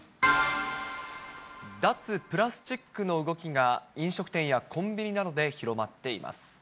脱プラスチックの動きが、飲食店やコンビニなどで広まっています。